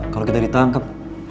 kalau kita ditangkep